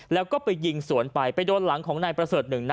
แล้วก็ไปยิงสวนไปไปโดนหลังของนายประเสริฐหนึ่งนัด